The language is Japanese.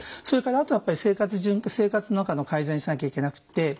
それからあとはやっぱり生活の中の改善しなきゃいけなくて。